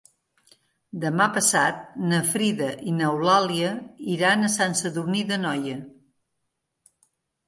Demà passat na Frida i n'Eulàlia iran a Sant Sadurní d'Anoia.